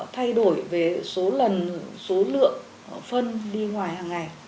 thay đổi về số lần số lượng phân đi ngoài hàng ngày